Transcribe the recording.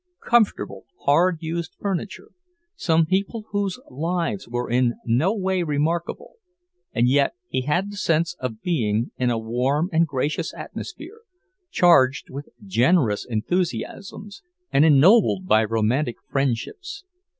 comfortable, hard used furniture, some people whose lives were in no way remarkable and yet he had the sense of being in a warm and gracious atmosphere, charged with generous enthusiasms and ennobled by romantic friendships.